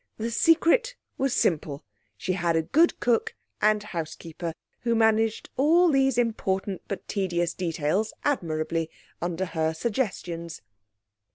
The secret was simple. She had a good cook and housekeeper, who managed all these important but tedious details admirably, under her suggestions.